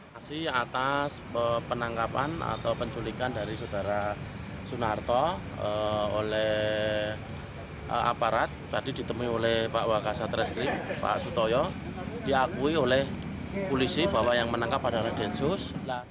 masih atas penangkapan atau penculikan dari saudara sunarto oleh aparat tadi ditemui oleh pak wakasat reskrim pak sutoyo diakui oleh polisi bahwa yang menangkap adalah densus